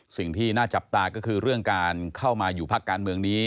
สิ่งที่น่าจับตาก็คือเรื่องการเข้ามาอยู่พักการเมืองนี้